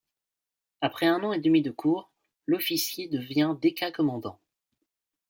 Après un an et demi de cours, l'officier devient déca-commandant.